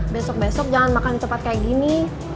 besok besok jangan makan cepat kayak gini